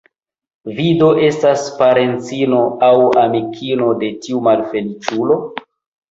Vi do estas parencino aŭ amikino de tiu malfeliĉulo?